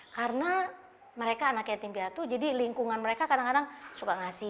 karena mereka anak yatim piatu jadi lingkungan mereka kadang kadang suka beri